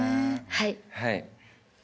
はい。